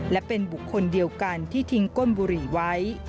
และเป็นบุคคลเดียวกันที่ทิ้งก้นบุหรี่ไว้